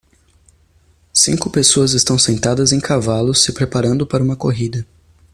Cinco pessoas estão sentadas em cavalos se preparando para uma corrida